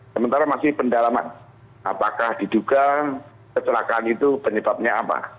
sementara masih pendalaman apakah diduga kecelakaan itu penyebabnya apa